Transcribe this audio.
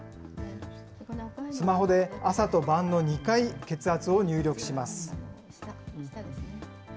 スマホで朝と晩の２回、血圧を入力します。